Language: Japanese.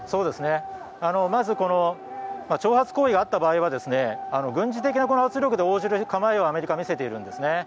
まず挑発行為があった場合は軍事的な圧力で応じる構えをアメリカは見せているんですね。